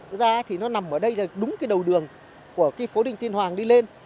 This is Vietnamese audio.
thực ra thì nó nằm ở đây là đúng cái đầu đường của cái phố đinh tiên hoàng đi lên